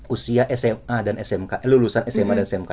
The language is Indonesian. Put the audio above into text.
usia sma dan smk lulusan sma dan smk